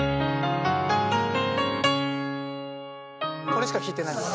これしか弾いてないです。